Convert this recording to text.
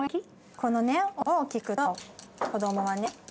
このね音を聴くと子どもはね